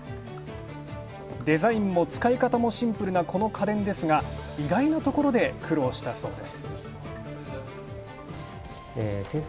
デザインも使い方もシンプルなこの家電ですが、意外なところで苦労したそうです。